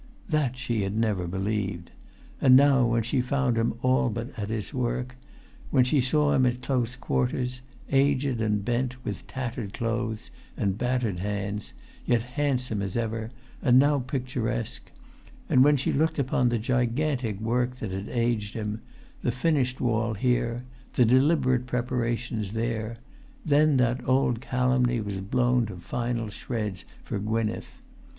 That she had never believed. And now, when she found him all but at his work; when she saw him at close quarters, aged and bent, with tattered clothes and battered hands, yet handsome as ever, and now picturesque; and when she looked upon the gigantic work that had aged him, the finished wall here, the deliberate preparations there; then that old calumny was blown to final shreds for Gwynneth.